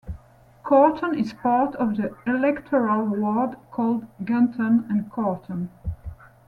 Corton is part of the electoral ward called Gunton and Corton.